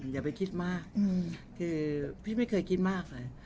อย่าไปคิดมากคือพี่ไม่เคยคิดมากเลย